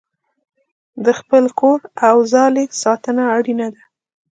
د خپل کور او ځالې ساتنه اړینه ده.